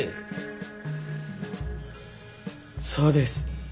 そうです。